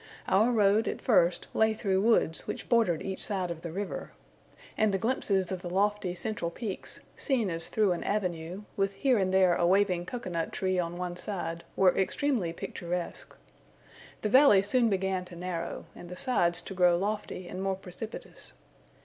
Our road, at first, lay through woods which bordered each side of the river; and the glimpses of the lofty central peaks, seen as through an avenue, with here and there a waving cocoa nut tree on one side, were extremely picturesque. The valley soon began to narrow, and the sides to grow lofty and more precipitous.